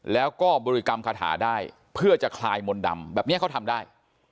แล้วก็บริกรรมคาถาได้เพื่อจะคลายมนต์ดำแบบนี้เขาทำได้